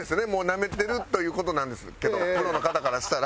なめてるという事なんですけどプロの方からしたら。